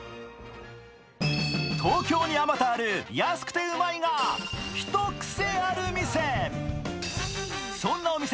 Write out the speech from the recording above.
東京にあまたある安くてウマいがひとくせある店。